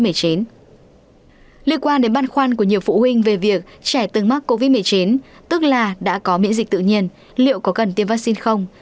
liên quan đến băn khoăn của nhiều phụ huynh về việc trẻ từng mắc covid một mươi chín tức là đã có miễn dịch tự nhiên liệu có cần tiêm vaccine không